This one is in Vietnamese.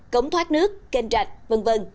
cống thoát nước kênh rạch v v